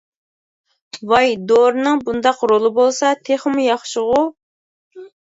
-ۋاي، دورىنىڭ بۇنداق رولى بولسا تېخىمۇ ياخشىغۇ.